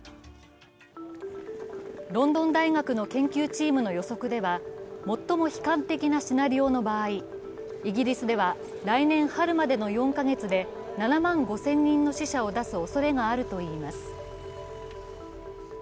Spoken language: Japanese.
ロンドン大学の研究チームの予測では最も悲観的なシナリオの場合イギリスでは来年春までの４カ月で７万５０００人の死者を出すおそれがあるといいます。